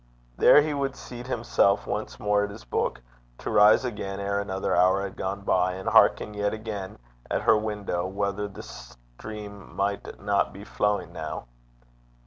There he would seat himself once more at his book to rise again ere another hour had gone by, and hearken yet again at her window whether the stream might not be flowing now.